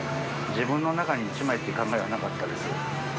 自分の中に１枚っていう考えはなかったです。